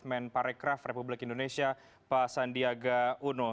men parekraf republik indonesia pak sandiaga uno